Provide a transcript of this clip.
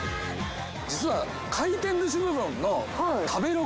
実は。